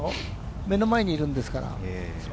目の前にいるんですから。